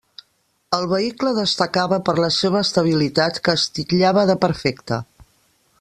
El vehicle destacava per la seva estabilitat, que es titllava de perfecta.